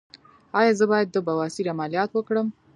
ایا زه باید د بواسیر عملیات وکړم؟